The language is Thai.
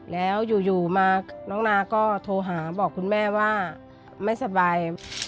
แล้วอยู่มาน้องนาก็โทรหาบอกคุณแม่ว่าไม่สบาย